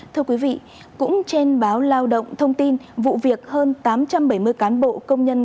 thưa quý vị cũng trên báo lao động thông tin vụ việc hơn tám trăm bảy mươi cán bộ công nhân